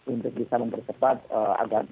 untuk bisa mempercepat agar